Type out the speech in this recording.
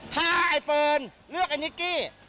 ถ้าไอเฟิร์นเลือกไอ้นิกกี้